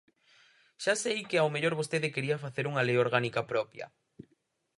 Xa sei que ao mellor vostede quería facer unha lei orgánica propia.